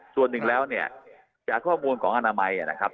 ส่วนหนึ่งแล้วเนี่ยจากข้อมูลของอนามัยนะครับ